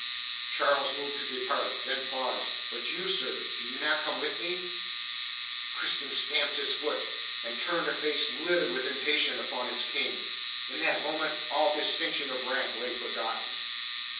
Charles moved to depart, then paused. "But you, sir? Do you not come with me?" Crispin stamped his foot, and turned a face livid with impatience upon his King. In that moment all distinction of rank lay forgotten.